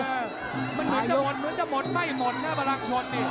มันหนุนจะหมดมันหนุนจะหมดไม่หมดนะพลังชน